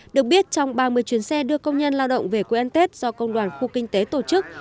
được biết trong ba mươi chuyến xe đưa công nhân lao động về quê ăn tết do công đoàn khu kinh tế tổ chức